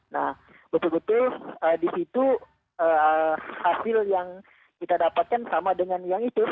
nah betul betul di situ hasil yang kita dapatkan sama dengan yang itu